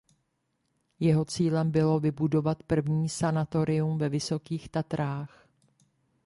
Jeho cílem bylo vybudovat první sanatorium ve Vysokých Tatrách.